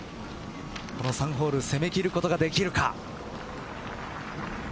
この３ホール攻めきることができるか。